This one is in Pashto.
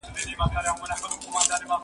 دا ښار تر هغه بل ښار لوی دی.